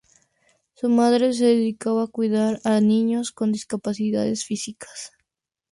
Su madre se dedicaba a cuidar a niños con discapacidades físicas.